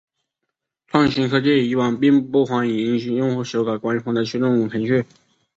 创新科技以往并不欢迎用户修改官方的驱动程序。